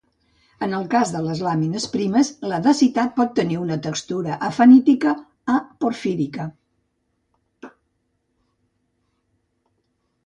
En el cas de les làmines primes, la dacita pot tenir una textura afanítica a porfírica.